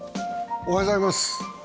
おはようございます。